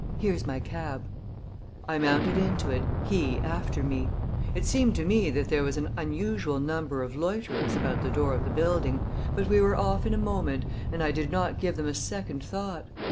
Here's my cab." I mounted into it, he after me. It seemed to me that there was an unusual number of loiterers about the door of the building, but we were off in a moment, and I did not give them a second thought.